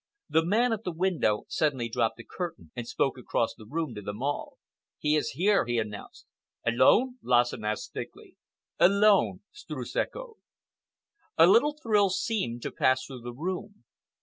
The man at the window suddenly dropped the curtain and spoke across the room to them all. "He is here," he announced. "Alone?" Lassen asked thickly. "Alone," Streuss echoed. A little thrill seemed to pass through the room.